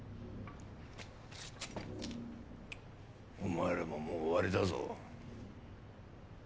お前らももう終わりだぞ。